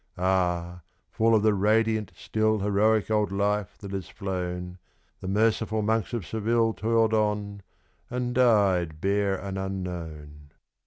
Ah! full of the radiant, still, heroic old life that has flown, The merciful monks of Seville toiled on, and died bare and unknown.